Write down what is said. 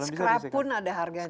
scrap pun ada harganya